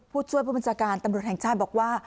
ผู้ช่วยประวัติศาสตร์การตำรวจแห่งชาติบอกว่า